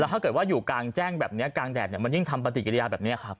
ถ้าเกิดว่าอยู่กลางแจ้งแบบนี้กลางแดดมันยิ่งทำปฏิกิริยาแบบนี้ครับ